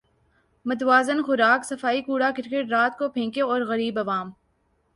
متوازن خوراک صفائی کوڑا کرکٹ رات کو پھینکیں اور غریب عوام